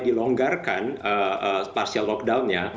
dilonggarkan partial lockdownnya